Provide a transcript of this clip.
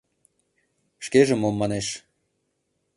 Шкеже мом манеш?